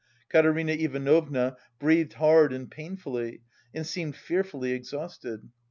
Katerina Ivanovna breathed hard and painfully and seemed fearfully exhausted.